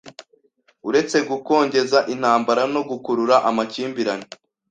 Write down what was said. uretse gukongeza intambara no gukurura amakimbirane